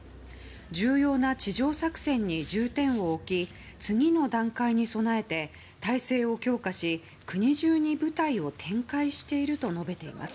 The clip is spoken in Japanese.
重要な地上作戦に重点を置き次の段階に備えて態勢を強化し国中に部隊を展開していると述べています。